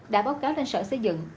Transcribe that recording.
đã báo cáo lên sở xây dựng